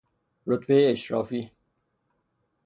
رتبهی اشرافی